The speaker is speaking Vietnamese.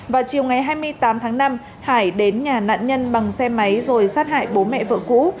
vào chiều ngày hai mươi tám tháng năm hải đến nhà nạn nhân bằng xe máy rồi sát hại bố mẹ vợ cũ